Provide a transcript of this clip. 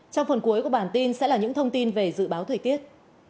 trong phần cuối của bản tin sẽ là những thông tin về dự báo thời tiết